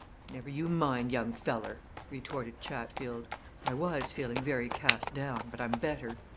"Never you mind, young feller," retorted Chatfield. "I was feeling very cast down, but I'm better.